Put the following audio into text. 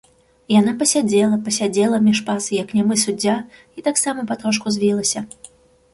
Яна пасядзела, пасядзела між пас, як нямы суддзя, і таксама патрошку звілася.